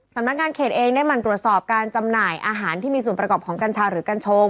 สำนักงานเขตเองได้หมั่นตรวจสอบการจำหน่ายอาหารที่มีส่วนประกอบของกัญชาหรือกัญชง